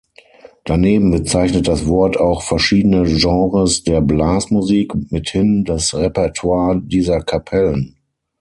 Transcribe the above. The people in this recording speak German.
Daneben bezeichnet das Wort auch verschiedene Genres der Blasmusik, mithin das Repertoire dieser Kapellen.